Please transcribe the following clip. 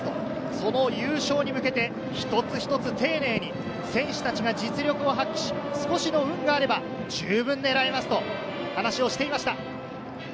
その優勝に向けて、一つ一つ丁寧に選手たちが実力を発揮し、少しの運があれば十分狙えますと話をしていました。